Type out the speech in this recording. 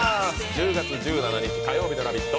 １０月１７日火曜日の「ラヴィット！」